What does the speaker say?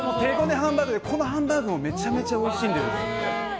ハンバーグでこのハンバーグもめちゃめちゃおいしいです。